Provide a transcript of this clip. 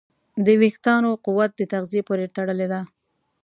د وېښتیانو قوت د تغذیې پورې تړلی دی.